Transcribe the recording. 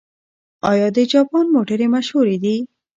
آیا د جاپان موټرې مشهورې دي؟